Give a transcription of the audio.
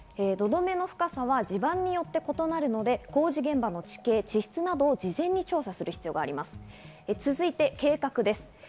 土留めの深さは地盤によって異なるので工事現場の地形地質などを事前に調査する必要があります。